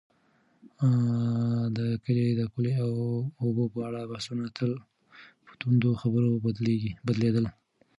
د کلي د پولو او اوبو په اړه بحثونه تل په توندو خبرو بدلېدل.